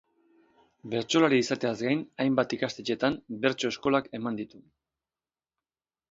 Bertsolari izateaz gain hainbat ikastetxetan bertso eskolak eman ditu.